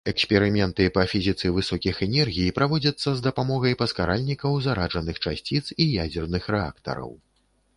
Эксперыменты па фізіцы высокіх энергій праводзяцца з дапамогай паскаральнікаў зараджаных часціц і ядзерных рэактараў.